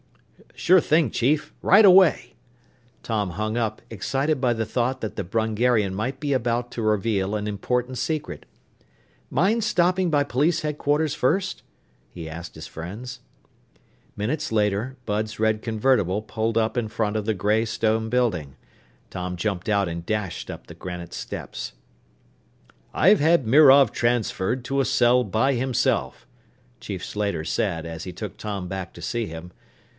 "Sure thing, Chief. Right away!" Tom hung up, excited by the thought that the Brungarian might be about to reveal an important secret. "Mind stopping by police headquarters first?" he asked his friends. Minutes later, Bud's red convertible pulled up in front of the gray stone building. Tom jumped out and dashed up the granite steps. "I've had Mirov transferred to a cell by himself," Chief Slater said as he took Tom back to see him.